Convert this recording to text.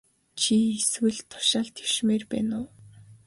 Чи эсвэл тушаал дэвшмээр байна уу?